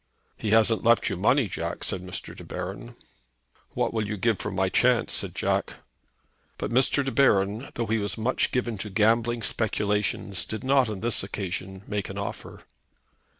"He hasn't left you money, Jack," said Mr. De Baron. "What will you give for my chance?" said Jack. But Mr. De Baron, though he was much given to gambling speculations, did not on this occasion make an offer.